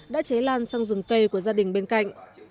đã cháy lan sang rừng cây của gia đình bên cạnh